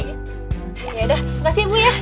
yaudah makasih ibu ya